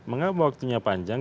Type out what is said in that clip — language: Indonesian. mengapa waktunya panjang